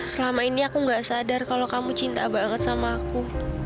selama ini aku nggak sadar kalau kamu cinta banget sama aku